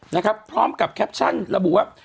นะครับพร้อมกับแคปชั่นระบุว่า